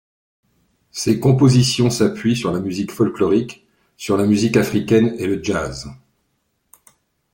Ses compositions s'appuient sur la musique folklorique, sur la musique africaine et le jazz.